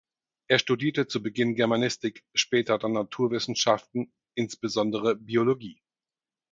Er studierte zu Beginn Germanistik, später dann Naturwissenschaften, insbesondere Biologie.